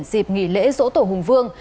dịp nghỉ lễ dỗ tổ hùng vương